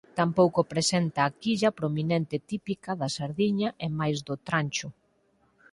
Tampouco presenta a quilla prominente típica da sardiña e máis do trancho.